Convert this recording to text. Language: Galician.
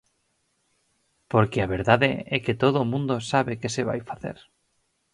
Porque a verdade é que todo o mundo sabe que se vai facer.